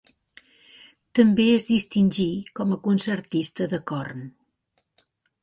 També es distingí com a concertista de corn.